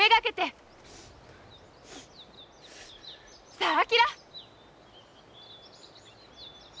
さあ昭！